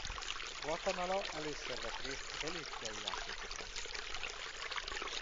Guatemala először vett részt az olimpiai játékokon.